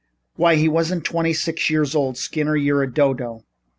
Why, he wasn't twenty six years old. Skinner, you're a dodo!